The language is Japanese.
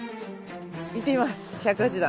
いってみます１０８段。